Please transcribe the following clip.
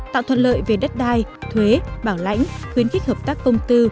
tạo thuận lợi về đất đai thuế bảo lãnh khuyến khích hợp tác công tư